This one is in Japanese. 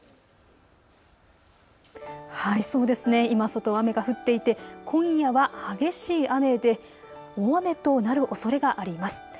今、外は雨が降っていて今夜は激しい雨で大雨となるおそれがあります。